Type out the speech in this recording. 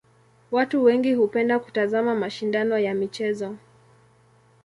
Watu wengi hupenda kutazama mashindano ya michezo.